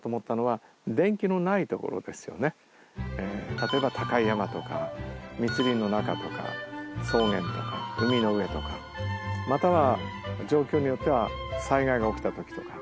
例えば高い山とか密林の中とか草原とか海の上とかまたは。